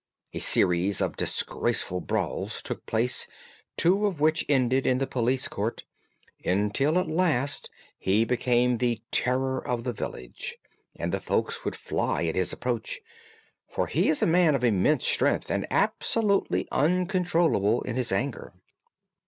A series of disgraceful brawls took place, two of which ended in the police court, until at last he became the terror of the village, and the folks would fly at his approach, for he is a man of immense strength, and absolutely uncontrollable in his anger.